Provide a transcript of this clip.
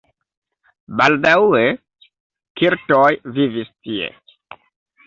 Baldaŭe keltoj vivis tie.